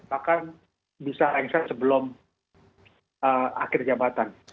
bahkan bisa lengser sebelum akhir jabatan